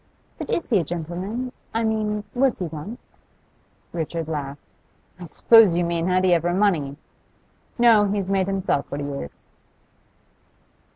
'But is he a gentleman? I mean, was he once?' Richard laughed. 'I suppose you mean, had he ever money? No, he's made himself what he is.